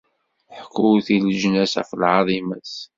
Ḥkut i leǧnas ɣef lɛaḍima-s.